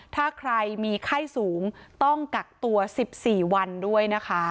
ถ้าใครมีไข้สูงต้องกักตัว๑๔วันด้วยนะคะ